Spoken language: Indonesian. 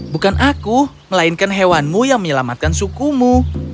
bukan aku melainkan hewanmu yang menyelamatkan suku mu